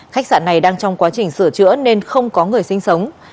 khách sạn này đang trong quá trình sửa chữa nên không có người sinh sống